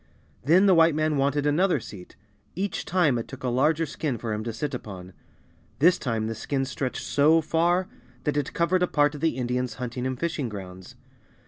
Then the White man wanted another seat. Each time it took a larger skin for him to sit upon. This time the skin stretched so far that it covered a part of the Indians' hunting and fishing grounds.